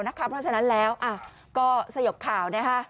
เพราะฉะนั้นแล้วก็สยบข่าวนะคะ